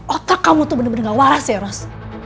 otak kamu tuh bener bener gak waras ya ros